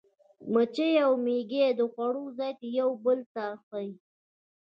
مچۍ او مېږي د خوړو ځای یو بل ته ښيي.